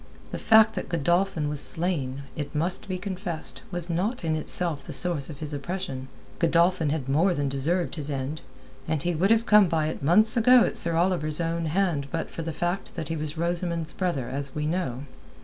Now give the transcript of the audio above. The fact that Godolphin was slain, it must be confessed, was not in itself the source of his oppression. Godolphin had more than deserved his end, and he would have come by it months ago at Sir Oliver's own hand but for the fact that he was Rosamund's brother, as we know.